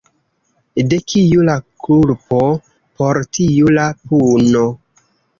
De kiu la kulpo, por tiu la puno.